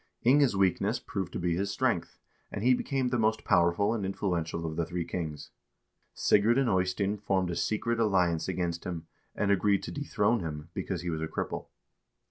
Inge's weakness proved to be his strength, and he became the most powerful and influential of the three kings. Sigurd and Eystein formed a secret alliance against him, and agreed to dethrone him, because he was a cripple.